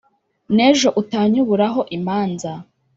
N'ejo utanyuburaho imanza!"